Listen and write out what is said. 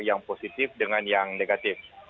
yang positif dengan yang negatif